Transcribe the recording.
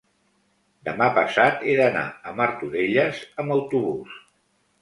demà passat he d'anar a Martorelles amb autobús.